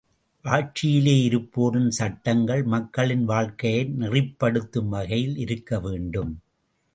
ஆட்சியிலே இருப்போரின் சட்டங்கள், மக்களின் வாழ்க்கையை நெறிப்படுத்தும் வகையில் இருக்கவேண்டும்.